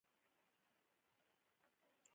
• هغه د ژبې د صراحت او دقت پر اهمیت تأکید کاوه.